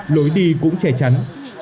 lối đi cũng chè chắn